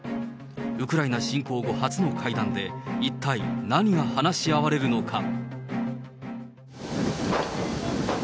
ウクライナ侵攻後初の会談で、一体何が話し合われるのか。